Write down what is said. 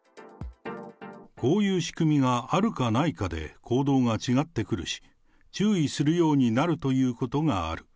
こういう仕組みがあるかないかで行動が違ってくるし、注意するようになるということがある。